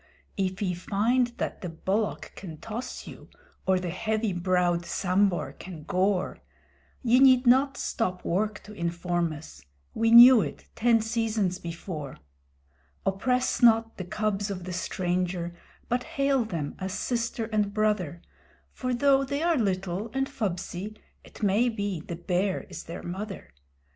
If ye find that the Bullock can toss you, or the heavy browed Sambhur can gore; Ye need not stop work to inform us: we knew it ten seasons before. Oppress not the cubs of the stranger, but hail them as Sister and Brother, For though they are little and fubsy, it may be the Bear is their mother.